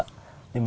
umur saya berapa